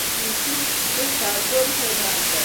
موزیک د تعادل هنر دی.